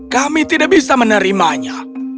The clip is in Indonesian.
kami tidak bisa menerimanya